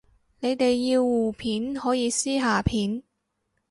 你哋要互片可以私下片